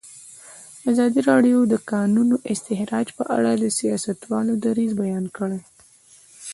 ازادي راډیو د د کانونو استخراج په اړه د سیاستوالو دریځ بیان کړی.